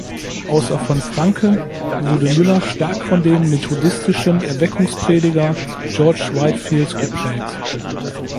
Außer von Francke wurde Müller stark von dem methodistischen Erweckungsprediger George Whitefield geprägt.